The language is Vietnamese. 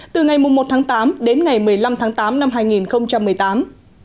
từ ngày một tháng tám đến ngày một mươi năm tháng tám năm hai nghìn một mươi tám